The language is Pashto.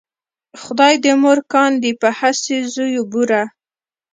خدای دې مور کاندې په هسې زویو بوره